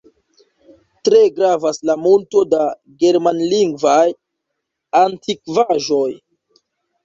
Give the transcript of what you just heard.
Tre gravas la multo da germanlingvaj antikvaĵoj.